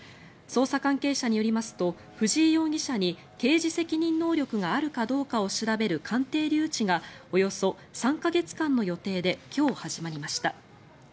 捜査関係者によりますと藤井容疑者に刑事責任能力があるかどうかを調べる鑑定留置がおよそ３か月間の予定で今日始まりました。